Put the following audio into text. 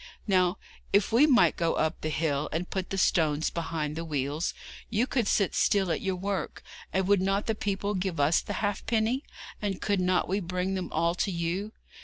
Now, if we might go up the hill, and put the stones behind the wheels, you could sit still at your work; and would not the people give us the halfpence? and could not we bring them all to you?